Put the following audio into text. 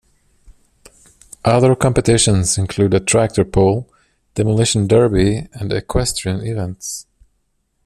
Other competitions include a tractor pull, demolition derby, and equestrian events.